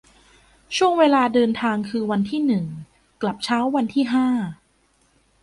ช่วงเวลาเดินทางคือ วันที่ หนึ่ง กลับเช้าวันที่ ห้า